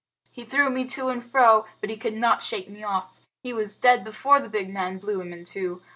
"He threw me to and fro, but he could not shake me off. He was dead before the big man blew him in two.